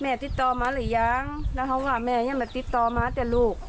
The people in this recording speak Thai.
แม่ติดต่อมาหรือยังนามว่าแม่ยังไม่ติดต่อมาแต่ลูก